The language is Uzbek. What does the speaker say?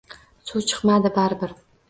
Suv chiqmadi bari bir.